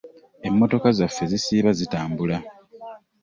Emmotoka zaffe zisiiba zitambula.